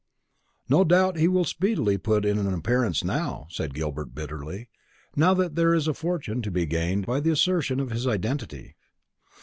"No doubt he will speedily put in an appearance now," said Gilbert bitterly "now that there is a fortune to be gained by the assertion of his identity."